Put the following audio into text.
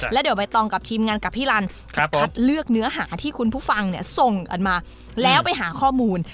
แล้วเดี๋ยวใบตองกับทีมงานกับพี่ลันจะคัดเลือกเนื้อหาที่คุณผู้ฟังส่งกันมาแล้วไปหาข้อมูล